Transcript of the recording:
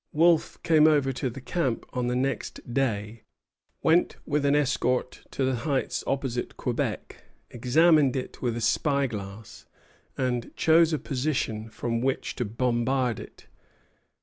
Wolfe came over to the camp on the next day, went with an escort to the heights opposite Quebec, examined it with a spy glass, and chose a position from which to bombard it.